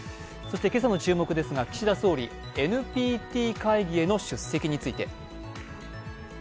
今朝の注目ですが、岸田総理、ＮＰＴ会議への出席について。